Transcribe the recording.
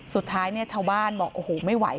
สุดท้ายชาวบ้านบอกโอโหไม่ไหว